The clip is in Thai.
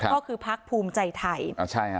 ก็คือพักภูมิใจไทย